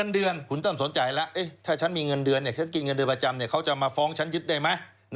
เฅินว่ากลับไปมาฟ้องกันคุณได้ไหม